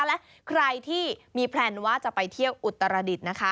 และใครที่มีแพลนว่าจะไปเที่ยวอุตรดิษฐ์นะคะ